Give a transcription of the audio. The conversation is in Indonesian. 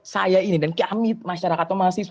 saya ini dan kami masyarakat atau mahasiswa